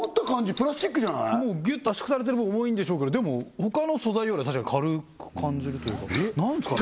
プラスチックじゃない？ギュッと圧縮されてる分重いんでしょうけどでも他の素材よりは確かに軽く感じるというか何ですかね